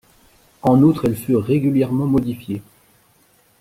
En outre, elles furent régulièrement modifiées.